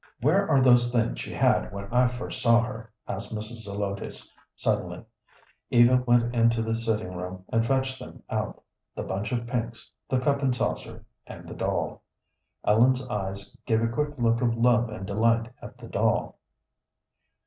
"Where are those things she had when I first saw her?" asked Mrs. Zelotes, suddenly. Eva went into the sitting room, and fetched them out the bunch of pinks, the cup and saucer, and the doll. Ellen's eyes gave a quick look of love and delight at the doll.